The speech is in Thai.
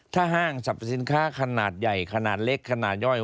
ถ้าห้างสรรพสินค้าขนาดใหญ่ขนาดเล็กขนาดย่อย